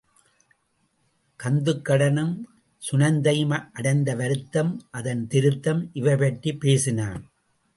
கந்துக்கடனும் சுநந்தையும் அடைந்த வருத்தம் அதன் திருத்தம் இவைபற்றிப் பேசினான்.